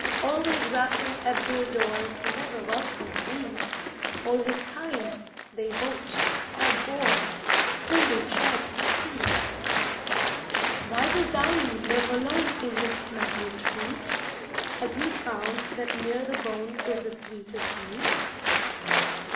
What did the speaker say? Always rapping at their doors, Never welcome he; All his kind, they vote, are bores, Whom they dread to see. Why does Downy live alone In his snug retreat? Has he found that near the bone Is the sweetest meat?